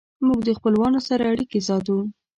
موږ د خپلوانو سره اړیکې ساتو.